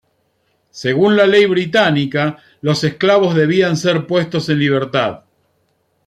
Según la ley británica, los esclavos debían ser puestos en libertad.